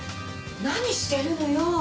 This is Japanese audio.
何してるのよ。